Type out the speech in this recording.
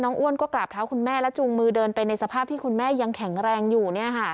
อ้วนก็กราบเท้าคุณแม่และจูงมือเดินไปในสภาพที่คุณแม่ยังแข็งแรงอยู่